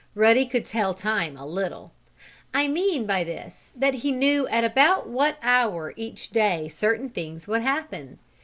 Ruddy could tell time a little. I mean, by this, that he knew at about what hour each day certain things would happen.